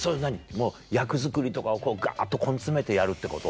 もう役作りとかをがっと根詰めてやるってこと？